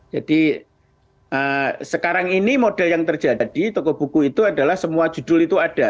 jadi sekarang ini model yang terjadi toko buku itu adalah semua judul itu ada